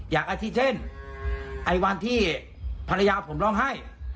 อย่างที่เช่นไอ้วันที่ภรรยาผมร้องไห้